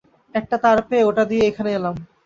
একটা তার পেয়ে ওটা দিয়েই এখানে এলাম।